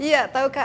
iya tahu kak